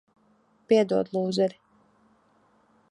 Piedod, lūzeri.